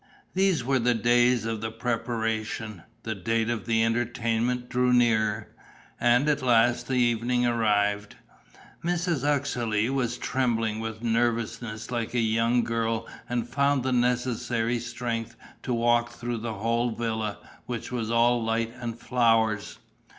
These were the days of the preparations. The date of the entertainment drew nearer; and at last the evening arrived. Mrs. Uxeley was trembling with nervousness like a young girl and found the necessary strength to walk through the whole villa, which was all light and flowers.